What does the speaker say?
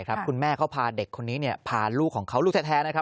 คุณแม่เขาพาเด็กคนนี้พาลูกของเขาลูกแท้นะครับ